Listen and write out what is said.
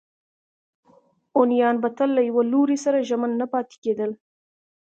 هونیان به تل له یوه لوري سره ژمن نه پاتې کېدل.